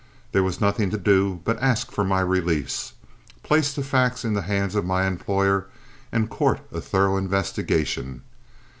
There was nothing to do but ask for my release, place the facts in the hands of my employer, and court a thorough investigation.